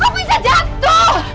kok bisa jatuh